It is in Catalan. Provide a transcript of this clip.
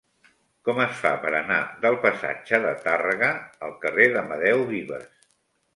Com es fa per anar del passatge de Tàrrega al carrer d'Amadeu Vives?